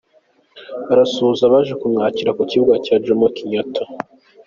Arasuhuza abaje kumwakira ku kibuga cya Jomo Kenyatta.